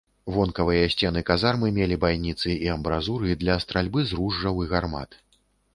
Вонкавыя сцены казармы мелі байніцы і амбразуры для стральбы з ружжаў і гармат.